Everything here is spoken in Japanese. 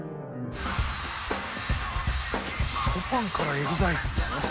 ショパンからＥＸＩＬＥ！